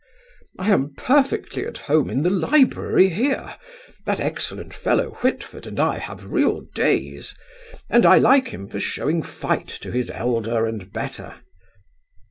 I am perfectly at home in the library here. That excellent fellow Whitford and I have real days: and I like him for showing fight to his elder and better."